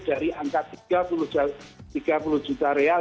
dari angka tiga puluh juta real